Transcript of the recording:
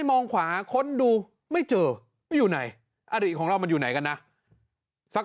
มองขวาค้นดูไม่เจออยู่ไหนอดีตของเรามันอยู่ไหนกันนะสัก